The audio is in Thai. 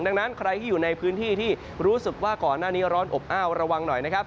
ดังนั้นใครที่อยู่ในพื้นที่ที่รู้สึกว่าก่อนหน้านี้ร้อนอบอ้าวระวังหน่อยนะครับ